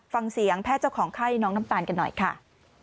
ฟังเสียงแพทย์เจ้าของไข้น้องน้ำตาลกันหน่อยค่ะ